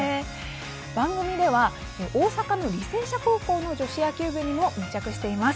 番組では大阪・履正社高校の女子野球部にも密着しています。